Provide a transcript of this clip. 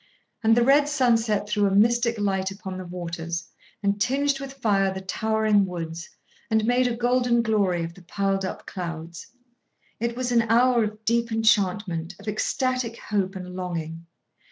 And the red sunset threw a mystic light upon the waters, and tinged with fire the towering woods, and made a golden glory of the piled up clouds. It was an hour of deep enchantment, of ecstatic hope and longing.